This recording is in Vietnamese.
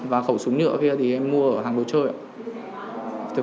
và khẩu súng nhựa kia thì em mua ở hàng đồ chơi ạ